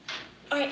はい。